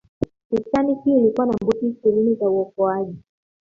titanic ilikuwa na boti ishirini za uokoaji